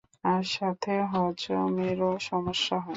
আর সাথে হজমেরও সমস্যা হয়।